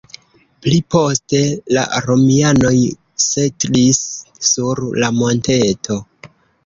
Pli poste la romianoj setlis sur la monteto.